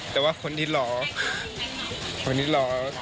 แต่ว่าคนที่รอคนที่รอ